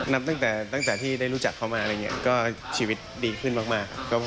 นับตั้งแต่ที่ได้รู้จักเขามาก็ชีวิตดีขึ้นมาก